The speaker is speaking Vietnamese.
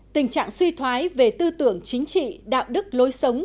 tình trạng suy thoái về tư tưởng chính trị đạo đức lối sống